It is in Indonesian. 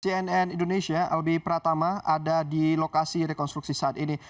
cnn indonesia albi pratama ada di lokasi rekonstruksi saat ini